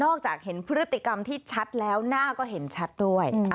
จากเห็นพฤติกรรมที่ชัดแล้วหน้าก็เห็นชัดด้วย